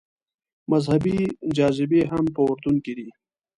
مذهبي جاذبې هم په اردن کې دي.